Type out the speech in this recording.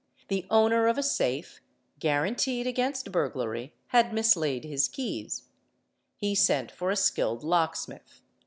The owner of a safe, guaranteed against | burglary, had mislaid his keys: he sent for a skilled locksmith.